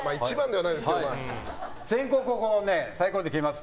先攻後攻をサイコロで決めます。